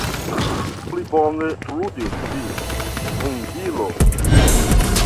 Pli bone ludis vi, hundido.